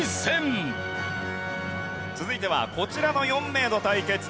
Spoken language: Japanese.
続いてはこちらの４名の対決です。